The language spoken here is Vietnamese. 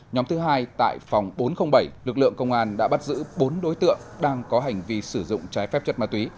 nhóm thứ hai tại phòng bốn trăm linh bảy lực lượng công an đã bắt giữ bốn đối tượng đang có hành vi sử dụng trái phép chất ma túy